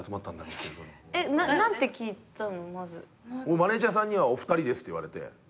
マネジャーさんにはお二人ですって言われて。